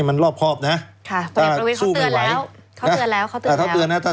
ถ้าสู้ไม่ไหวต่อไปอย่ามา